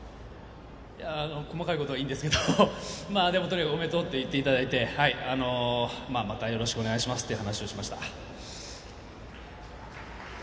細かいところはいいんですけどおめでとうと言ってくれてまたよろしくお願いしますっていう話をしました。